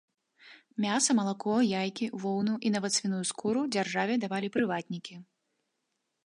Мяса, малако, яйкі, воўну і нават свіную скуру дзяржаве давалі прыватнікі.